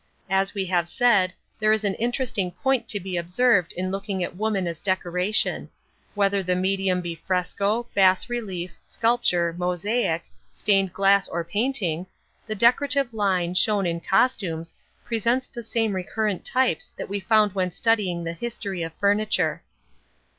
As we have said, there is an interesting point to be observed in looking at woman as decoration; whether the medium be fresco, bas relief, sculpture, mosaic, stained glass or painting, the decorative line, shown in costumes, presents the same recurrent types that we found when studying the history of furniture.